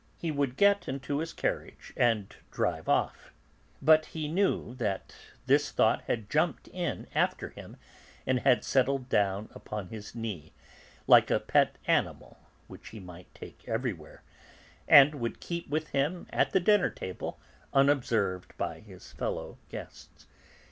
He would get into his carriage and drive off, but he knew that this thought had jumped in after him and had settled down upon his knee, like a pet animal which he might take everywhere, and would keep with him at the dinner table, unobserved by his fellow guests.